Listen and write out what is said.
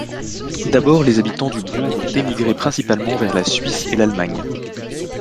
D’abord les habitants du bourg ont émigré principalement vers la Suisse et l'Allemagne.